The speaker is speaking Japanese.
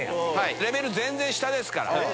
レベル全然下ですから。